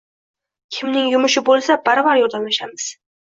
Kimning yumushi bo`lsa, baravar yordamlashamiz